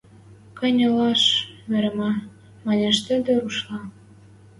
— Кӹньӹлӓш веремӓ, — манеш тӹдӹ рушла.